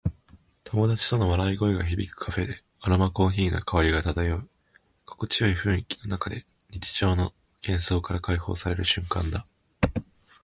友達との笑い声が響くカフェで、アロマコーヒーの香りが漂う。心地よい雰囲気の中で、日常の喧騒から解放される瞬間だ。